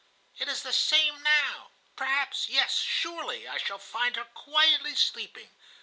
It is the same now. Perhaps, yes, surely, I shall find her quietly sleeping.